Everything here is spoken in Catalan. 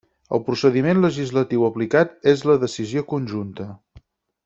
El procediment legislatiu aplicat és la decisió conjunta.